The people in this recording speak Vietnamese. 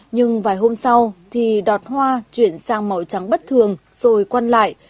nhưng vài hôm sau thì đọt hoa chuyển sang màu trắng bất thường rồi quan lại